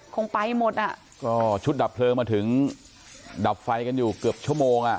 คงไปหมดอ่ะก็ชุดดับเพลิงมาถึงดับไฟกันอยู่เกือบชั่วโมงอ่ะ